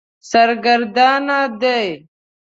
سرګردانه دی.